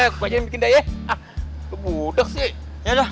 kamu tuh kalau dibilangin yang bener biar denger bos kayaknya senang deh abis